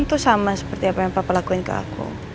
tuh sama seperti apa yang papa lakuin ke aku